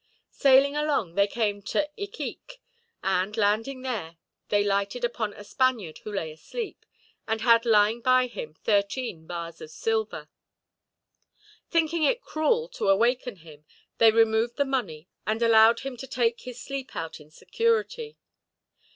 Sailing along, they came to Iquique and, landing here, they lighted upon a Spaniard who lay asleep, and had lying by him thirteen bars of silver. Thinking it cruel to awaken him, they removed the money, and allowed him to take his sleep out in security.